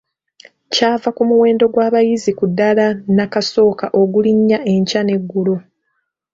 Kyava ku muwendo gw’abayizi ku ddaala nnakasooka ogulinnya enkya n’eggulo.